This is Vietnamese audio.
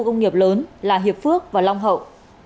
công nghiệp lớn là hiệp phước và long hậu